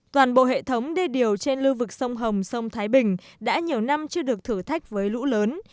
toàn bộ hệ thống đê điều trên lưu vực sông hồng sông thái bình đã nhiều năm chưa được thử thách với lũ lớn